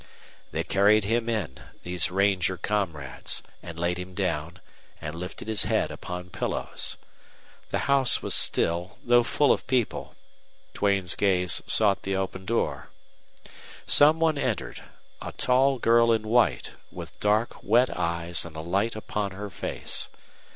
They carried him in, these ranger comrades, and laid him down, and lifted his head upon pillows. The house was still, though full of people. Duane's gaze sought the open door. Some one entered a tall girl in white, with dark, wet eyes and a light upon her face.